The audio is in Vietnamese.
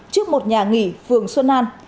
trước một nhà nghỉ phường xuân an